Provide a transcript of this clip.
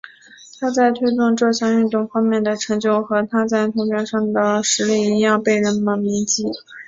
他在推动这项运动方面的成就和他在土俵上的实力一样被人们铭记。